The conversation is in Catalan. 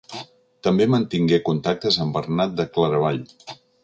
També mantingué contactes amb Bernat de Claravall.